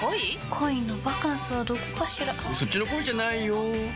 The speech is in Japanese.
恋のバカンスはどこかしらそっちの恋じゃないよ